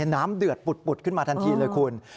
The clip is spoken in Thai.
เดือดปุดขึ้นมาทันทีเลยคุณ